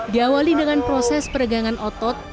diawali dengan proses peregangan otot